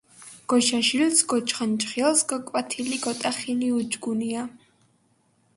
გოჟაჟილც ,გოჯღანჯღილს გოკვათილი გოტახილი უჯგუნია